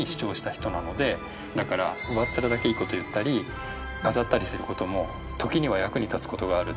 だから「上っ面だけいい事を言ったり飾ったりする事も時には役に立つ事がある」。